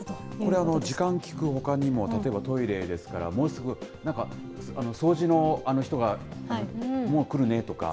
これ、時間聞くほかにも、例えば、トイレですから、もうすぐ、なんか、掃除の人がもう来るねとか。